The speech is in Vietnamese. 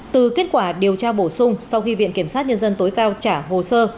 từ kết quả điều tra bổ sung sau khi viện kiểm sát nhân dân tối cao trả hồ sơ